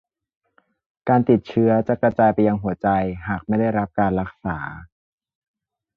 การติดเชื้อจะกระจายไปยังหัวใจหากไม่ได้รับการรักษา